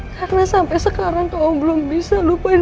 karena sampai sekarang kau belum bisa lupain